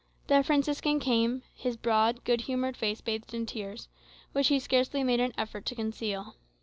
The Franciscan came, his broad, good humoured face bathed in tears, which he scarcely made an effort to conceal.